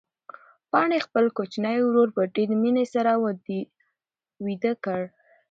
پاڼې خپل کوچنی ورور په ډېرې مینې سره ویده کړ.